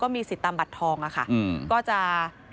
พบหน้าลูกแบบเป็นร่างไร้วิญญาณ